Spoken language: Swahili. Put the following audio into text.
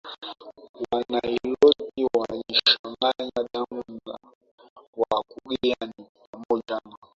Wanailoti waliochanganya damu na Wakurya ni pamoja na